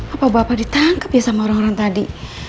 apa bapak ditangkap ya sama orang orang tadi